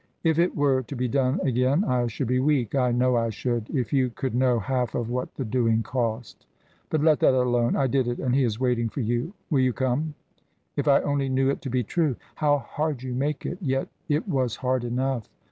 If it were to be done again I should be weak. I know I should. If you could know half of what the doing cost! But let that alone. I did it, and he is waiting for you. Will you come?" "If I only knew it to be true " "How hard you make it. Yet, it was hard enough."